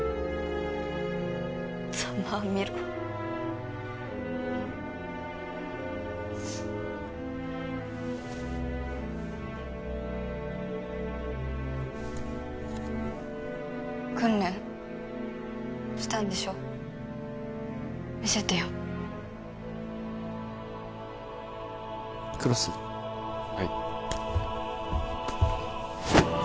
ざまあみろ訓練したんでしょ見せてよ黒須はい